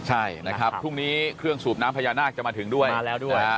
ใช่นะครับพรุ่งนี้เครื่องสูบน้ำพญานาคจะมาถึงด้วยมาแล้วด้วย